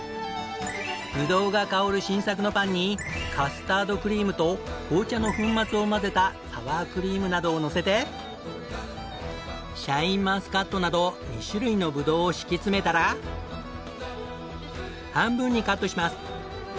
ぶどうが香る新作のパンにカスタードクリームと紅茶の粉末を混ぜたサワークリームなどをのせてシャインマスカットなど２種類のぶどうを敷き詰めたら半分にカットします。